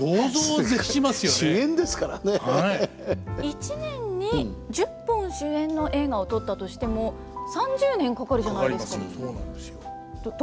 １年に１０本主演の映画を撮ったとしても３０年かかるじゃないですか。